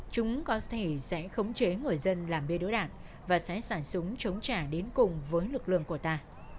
chúng có thể sẽ khống chế người dân làm bê đối đạn và sẽ sản súng chống trả đến cùng với lực lượng của ta